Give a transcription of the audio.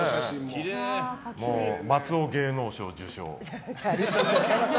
松尾芸能賞受賞。